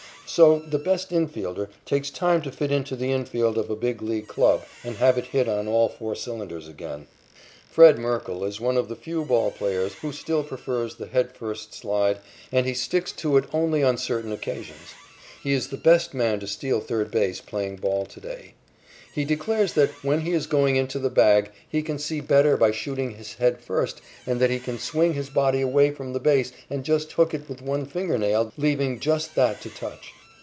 So the best infielder takes time to fit into the infield of a Big League club and have it hit on all four cylinders again. Fred Merkle is one of the few ball players who still prefers the head first slide, and he sticks to it only on certain occasions. He is the best man to steal third base playing ball to day. He declares that, when he is going into the bag, he can see better by shooting his head first and that he can swing his body away from the base and just hook it with one finger nail, leaving just that to touch.